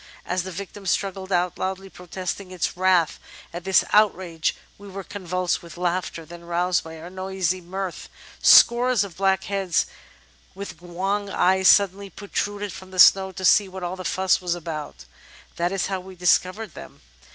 As the victim struggled out, loudly protesting its wrath at this outrage, we were convulsed with laughter; then, roused by our noisy mirth, scores of black heads, with 'goUywog' eyes, suddenly protruded from the snow — ^to see what all the fuss was about. That was how we discovered them!